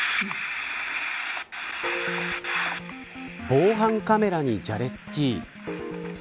防犯カメラにじゃれつき